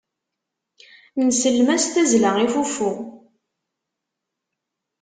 Nsellem-as tazzla i fuffu.